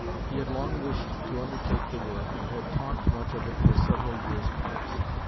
He had long wished to undertake the work, and had talked much of it for several years past.